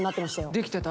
できてた？